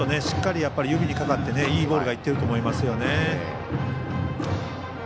しっかり指にかかっていいボールがいっていると思いますよね。